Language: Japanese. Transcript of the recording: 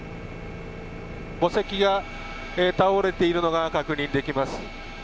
墓石が倒れているのが確認できます。